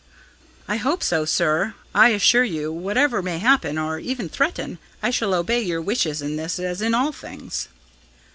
"I hope so, sir. I assure you that, whatever may happen, or even threaten, I shall obey your wishes in this as in all things."